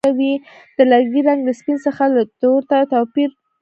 د لرګي رنګ له سپین څخه تر تور پورې توپیر لري.